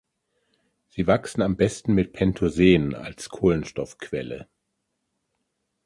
Sie wachsen am besten mit Pentosen als Kohlenstoffquelle.